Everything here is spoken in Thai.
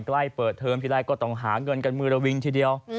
ใกล้เปิดเทิมกดออกหาเงินกัน๑๐๐๐๐อันนี้ทีเดียว